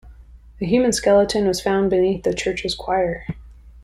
A human skeleton was found beneath the Church's choir.